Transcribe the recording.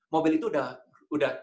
mobil itu sudah